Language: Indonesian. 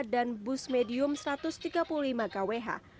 dan bus medium satu ratus tiga puluh lima kwh